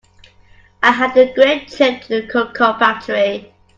I had a great trip to a cocoa factory.